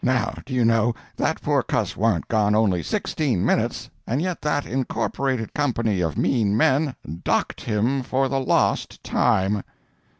Now do you know, that poor cuss warn't gone only sixteen minutes, and yet that Incorporated Company of Mean Men DOCKED HIM FOR THE LOST TIME!"